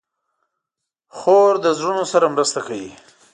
خور له زړونو سره مرسته کوي.